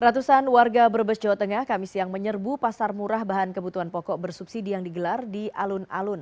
ratusan warga brebes jawa tengah kami siang menyerbu pasar murah bahan kebutuhan pokok bersubsidi yang digelar di alun alun